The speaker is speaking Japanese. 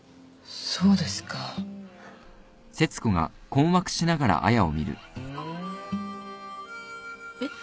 そうですか。えっ？